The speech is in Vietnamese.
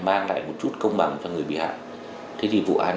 mang lại một chút công bằng cho người bị hại thế thì vụ án